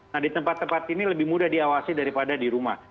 nah di tempat tempat ini lebih mudah diawasi daripada di rumah